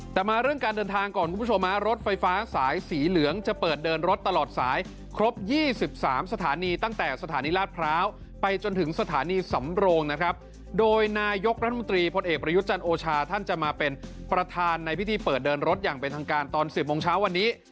แต่มาเรื่องการเดินทางก่อนคุณผู้ชมฮะรถไฟฟ้าสายสีเหลืองจะเปิดเดินรถตลอดสายครบ๒๓สถานีตั้งแต่สถานีราชพร้าวไปจนถึงสถานีสำโรงนะครับโดยนายกรัฐมนตรีพลเอกประยุทธ์จันทร์โอชาท่านจะมาเป็นประธานในพิธีเปิดเดินรถอย่างเป็นทางการตอน๑๐โมงเช้าวันนี้